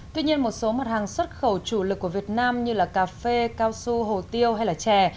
tuy nhiên một số mặt hàng xuất khẩu chủ lực của việt nam như là cà phê cao su hồ tiêu hay chè